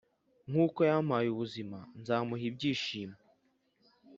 nkuko yampaye ubuzima nzamuha ibyishimo...